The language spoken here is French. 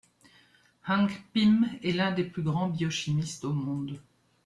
Hank Pym est l’un des plus grands biochimistes au monde.